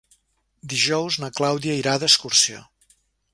Dijous na Clàudia irà d'excursió.